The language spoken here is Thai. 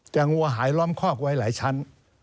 งัวหายล้อมคอกไว้หลายชั้น